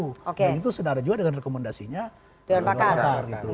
dan itu sedara juga dengan rekomendasinya golkar